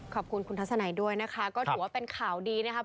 ขอบคุณคุณทัศนัยด้วยนะคะก็ถือว่าเป็นข่าวดีนะครับ